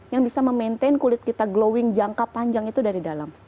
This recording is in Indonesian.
yang bisa memaintain kulit kita glowing jangka panjang itu dari dalam